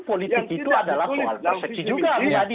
politik itu adalah soal persepsi juga